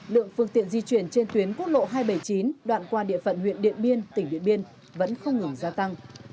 lượng phương tiện di chuyển trên tuyến quốc lộ hai trăm bảy mươi chín đoạn qua địa phận huyện điện biên tỉnh điện biên vẫn không ngừng gia tăng